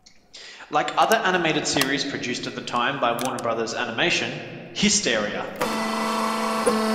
Like other animated series produced at the time by the Warner Brothers animation, Histeria!